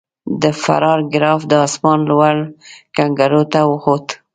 د فرار ګراف د اسمان لوړو کنګرو ته وخوت.